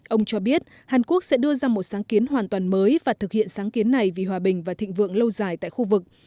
ông cho biết hàn quốc sẽ đưa ra một sáng kiến hoàn toàn mới và thực hiện sáng kiến này vì hòa bình và thịnh vượng lâu dài tại khu vực